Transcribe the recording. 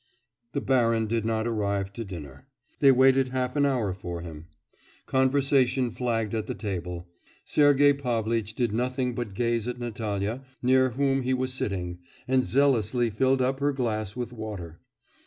The baron did not arrive to dinner. They waited half an hour for him. Conversation flagged at the table. Sergei Pavlitch did nothing but gaze at Natalya, near whom he was sitting, and zealously filled up her glass with water.